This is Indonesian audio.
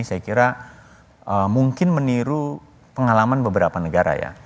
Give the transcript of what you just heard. saya kira mungkin meniru pengalaman beberapa negara ya